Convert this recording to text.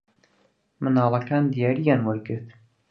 منداڵەکان دیارییان وەرگرت.